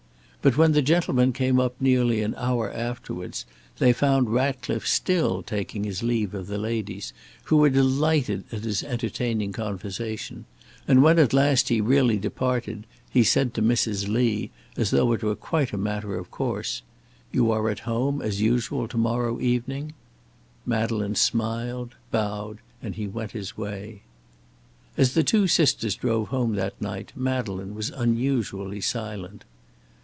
But when the gentlemen came up nearly an hour afterwards they found Ratcliffe still taking his leave of the ladies, who were delighted at his entertaining conversation; and when at last he really departed, he said to Mrs. Lee, as though it were quite a matter of course: "You are at home as usual to morrow evening?" Madeleine smiled, bowed, and he went his way. As the two sisters drove home that night, Madeleine was unusually silent.